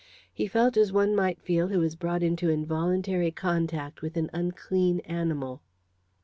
He felt as one might feel who is brought into involuntary contact with an unclean animal.